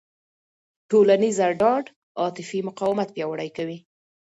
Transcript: ټولنیزه ډاډ عاطفي مقاومت پیاوړی کوي.